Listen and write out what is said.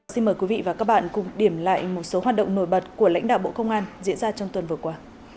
xin mời quý vị và các bạn cùng điểm lại một số hoạt động nổi bật của lãnh đạo bộ công an diễn ra trong tuần vừa qua